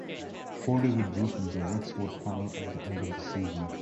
Foley withdrew from the Wexford panel at the end of the season.